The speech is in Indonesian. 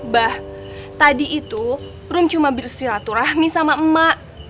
bah tadi itu rom cuma beristirahaturahmi sama emak